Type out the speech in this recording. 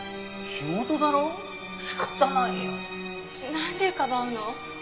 なんでかばうの？